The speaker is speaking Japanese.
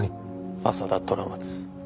朝田虎松。